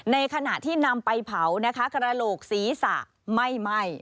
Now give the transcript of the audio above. ในขณะที่นำไปเผานะคะกระโหลกศีรษะไม่ไหม้